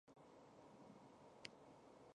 义县是辽宁省锦州市下辖的一个县。